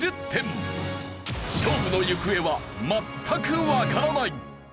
勝負の行方は全くわからない。